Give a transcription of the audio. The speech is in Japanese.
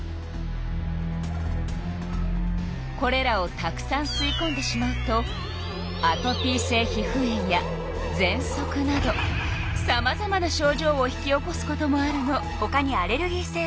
これらをたくさんすいこんでしまうとアトピー性皮膚炎やぜんそくなどさまざまなしょうじょうを引き起こすこともあるの。